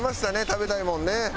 食べたいものね。